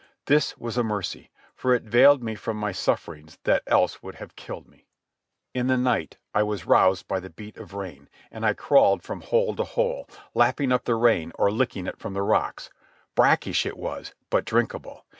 This was a mercy, for it veiled me from my sufferings that else would have killed me. In the night I was roused by the beat of rain, and I crawled from hole to hole, lapping up the rain or licking it from the rocks. Brackish it was, but drinkable.